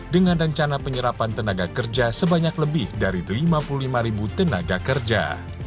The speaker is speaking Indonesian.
dengan rencana penyerapan tenaga kerja sebanyak lebih dari lima puluh lima ribu tenaga kerja